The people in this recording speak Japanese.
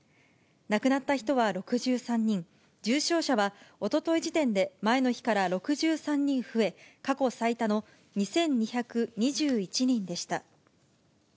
亡くなった人は６３人、重症者はおととい時点で前の日から６３人増え、過去最多の２２２１人でした。